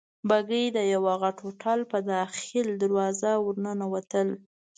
بګۍ د یوه غټ هوټل په داخلي دروازه ورننوتل.